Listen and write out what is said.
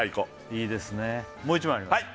もう一枚あります